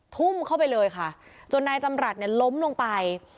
ทุ่มเข้าไปเลยค่ะจนนายจำรัฐเนี่ยล้มลงไป